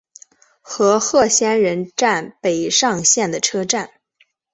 和贺仙人站北上线的车站。